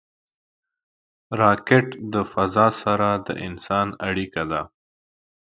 راکټ د فضا سره د انسان اړیکه ده